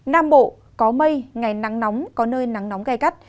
nam bộ có mây ngày nắng nóng có nơi nắng nóng gai gắt